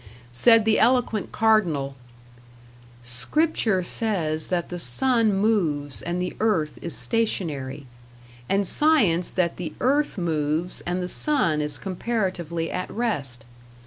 Said the eloquent cardinal: Scripture says that the sun moves and the earth is stationary, and science that the earth moves and the sun is comparatively at rest.